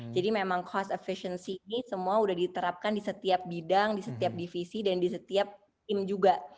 jadi memang cost efficiency ini semua udah diterapkan di setiap bidang di setiap divisi dan di setiap tim juga